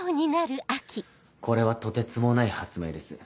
これはとてつもない発明です。